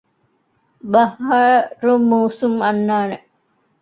ބަހާރު މޫސުން އަންނާނެ